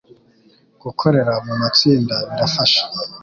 Gukorera mu matsinda birafasha